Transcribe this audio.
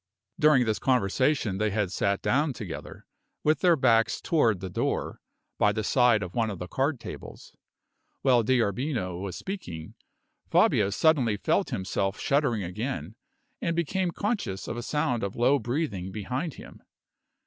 '" During this conversation they had sat down together, with their backs toward the door, by the side of one of the card tables. While D'Arbino was speaking, Fabio suddenly felt himself shuddering again, and became conscious of a sound of low breathing behind him.